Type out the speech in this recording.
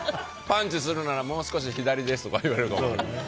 パンチするならもう少し左ですとか言われるかも。